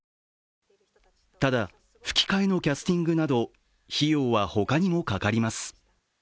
ただ、吹き替えのキャスティングなど費用は他にもかかります。